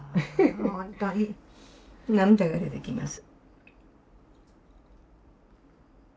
本当に涙が出てきます。